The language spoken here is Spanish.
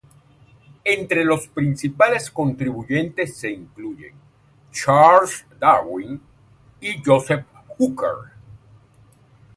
Entre los principales contribuyentes se incluyen Charles Darwin y Joseph Hooker.